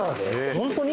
本当に？